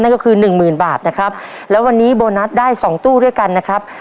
ก็คือหนึ่งหมื่นบาทนะครับแล้ววันนี้โบนัสได้สองตู้ด้วยกันนะครับ